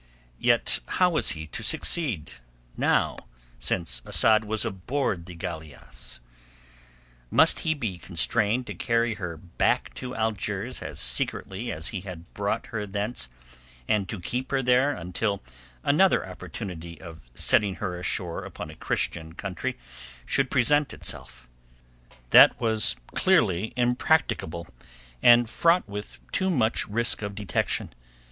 Yet how was he to succeed, now, since Asad was aboard the galeasse? Must he be constrained to carry her back to Algiers as secretly as he had brought her thence, and to keep her there until another opportunity of setting her ashore upon a Christian country should present itself? That was clearly impracticable and fraught with too much risk of detection.